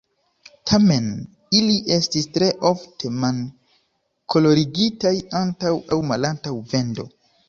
Tamen, ili estis tre ofte man-kolorigitaj antaŭ aŭ malantaŭ vendo.